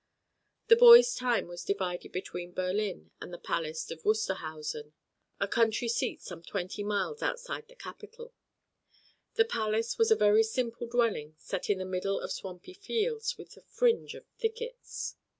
The boy's time was divided between Berlin and the Palace of Wusterhausen, a country seat some twenty miles outside of the capital. The palace was a very simple dwelling set in the middle of swampy fields, with a fringe of thickets.